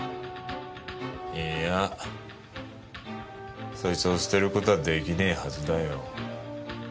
いいやそいつを捨てる事は出来ねえはずだよ。